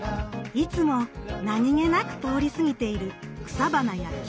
いつも何気なく通り過ぎている草花や木々。